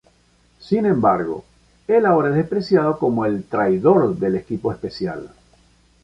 Sin embargo, el ahora es despreciado como el "Traidor del equipo especial".